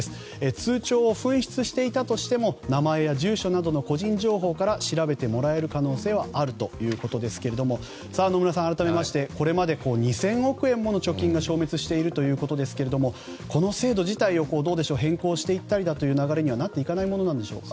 通帳を紛失していたとしても名前や住所などの個人情報から調べてもらえる可能性はあるということですけれども野村さん、改めましてこれまで２０００億円もの貯金が消滅しているということですがこの制度自体を変更していったりという流れにはなっていかないものなんでしょうか。